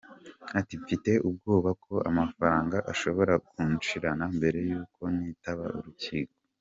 Ati "Mfite ubwoba ko amafaranga ashobora kunshirana mbere yuko nitaba urukiko".